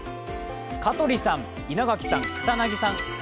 香取さん、稲垣さん、草なぎさん